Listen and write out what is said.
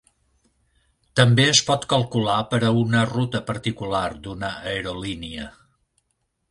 També es pot calcular per a una ruta particular d'una aerolínia.